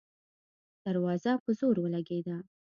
دروازه په زور ولګېده.